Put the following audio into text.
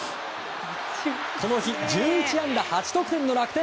この日、１１安打８得点の楽天。